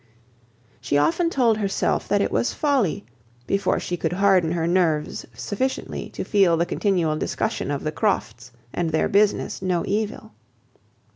She often told herself it was folly, before she could harden her nerves sufficiently to feel the continual discussion of the Crofts and their business no evil.